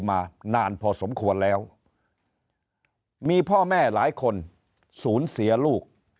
มานานพอสมควรแล้วมีพ่อแม่หลายคนสูญเสียลูก